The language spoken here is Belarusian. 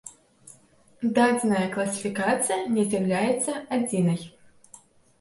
Дадзеная класіфікацыя не з'яўляецца адзінай.